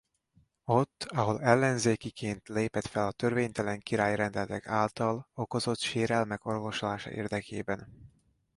Ott ahol ellenzékiként lépett fel a törvénytelen királyi rendeletek által okozott sérelmek orvoslása érdekében.